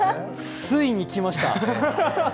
ついに来ました！